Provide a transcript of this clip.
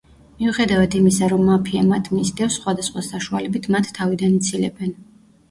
მიუხედავად იმისა, რომ მაფია მათ მისდევს, სხვადასხვა საშუალებით მათ თავიდან იცილებენ.